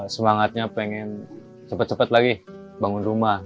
semangatnya pengen cepat cepat lagi bangun rumah